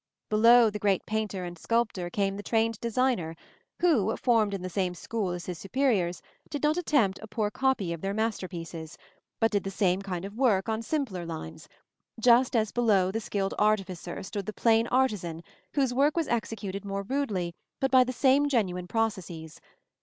Below the great painter and sculptor came the trained designer who, formed in the same school as his superiors, did not attempt a poor copy of their masterpieces, but did the same kind of work on simpler lines; just as below the skilled artificer stood the plain artisan whose work was executed more rudely, but by the same genuine processes.